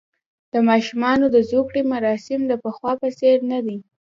د ماشومانو د زوکړې مراسم د پخوا په څېر نه دي.